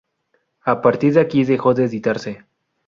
A partir de aquí dejó de editarse.